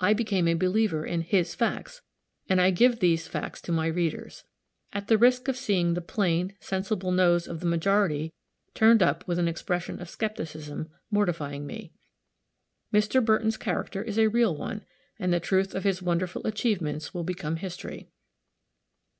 I became a believer in his facts, and I give these facts to my readers, at the risk of seeing the plain, sensible nose of the majority turned up with an expression of skepticism, mortifying to me. Mr. Burton's character is a real one, and the truth of his wonderful achievements will become history.